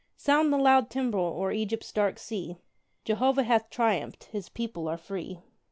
Sound the loud timbrel o'er Egypt's dark sea! Jehovah hath triumphed His people are free.